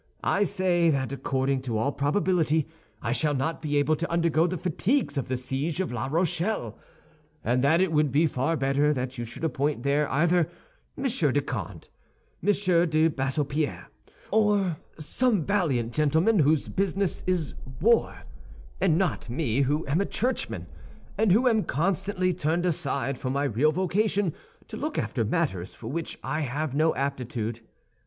I say that according to all probability I shall not be able to undergo the fatigues of the siege of La Rochelle, and that it would be far better that you should appoint there either Monsieur de Condé, Monsieur de Bassopierre, or some valiant gentleman whose business is war, and not me, who am a churchman, and who am constantly turned aside for my real vocation to look after matters for which I have no aptitude.